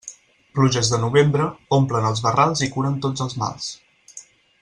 Pluges de novembre, omplen els barrals i curen tots els mals.